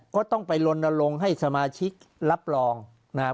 ก็ต้องไปลนลงให้สมาชิกรับรองนะครับ